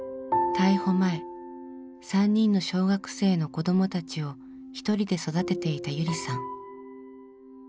逮捕前３人の小学生の子どもたちを一人で育てていたゆりさん。